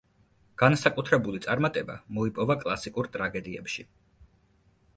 განსაკუთრებული წარმატება მოიპოვა კლასიკურ ტრაგედიებში.